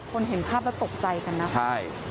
เห็นภาพแล้วตกใจกันนะคะใช่